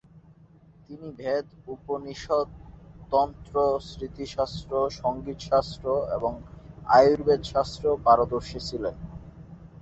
তিনি বেদ, উপনিষদ, তন্ত্র, স্মৃতিশাস্ত্র, সঙ্গীতশাস্ত্র এবং আয়ুর্বেদশাস্ত্রেও পারদর্শী ছিলেন।